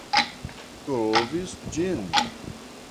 Trovis ĝin .